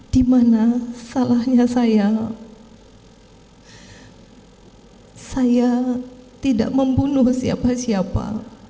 di mana salahnya saya saya tidak membunuh siapa siapa